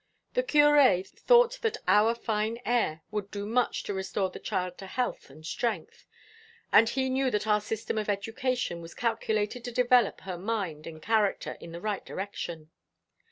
The curé thought that our fine air would do much to restore the child to health and strength, and he knew that our system of education was calculated to develop her mind and character in the right direction.